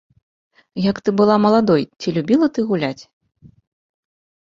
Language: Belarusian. Як ты была маладой, ці любіла ты гуляць?